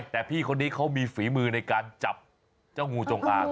แต่พี่คนนี้เขามีฝีมือในการจับเจ้างูจงอาง